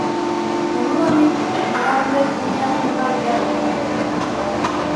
Уны ла мин бынауында һинең яныңа яҙып ҡуяйым.